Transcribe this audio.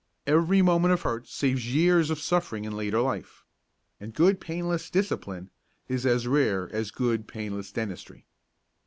Every moment of hurt saves years of suffering in later life. And good painless discipline is as rare as good painless dentistry.